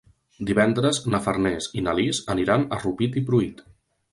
Divendres na Farners i na Lis aniran a Rupit i Pruit.